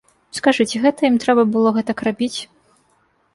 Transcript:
Скажы, ці гэта ім трэба было гэтак рабіць?